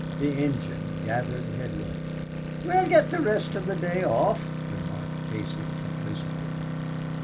The engine gathered headway. "We'll git the rest of the day off," remarked Casey, complacently.